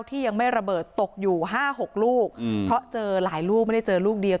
ที่ยังไม่ระเบิดตกอยู่๕๖ลูกเพราะเจอหลายลูกไม่ได้เจอลูกเดียว